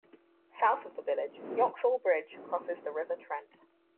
South of the village, Yoxall Bridge crosses the River Trent.